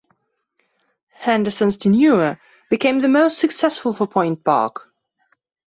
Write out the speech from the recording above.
Henderson's tenure became the most successful for Point Park.